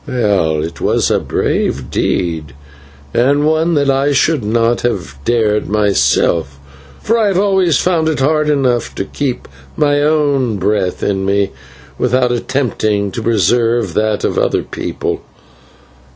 Well, it was a brave deed and one that I should not have dared myself, for I have always found it hard enough to keep my own breath in me without attempting to preserve that of other people.